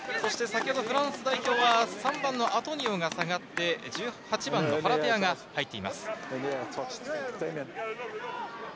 フランス代表はアトニオが下がって１８番のファラテアが入っています。